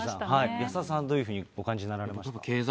安田さん、どういうふうにお感じになりました？